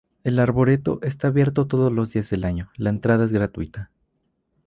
El arboreto está abierto todos los días del año, la entrada es gratuita.